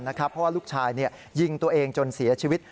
เพราะว่าลูกชายยิงตัวเองจนเสียชีวิต